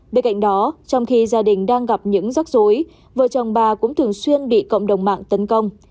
bên cạnh đó trong khi gia đình đang gặp những rắc rối vợ chồng bà cũng thường xuyên bị cộng đồng mạng tấn công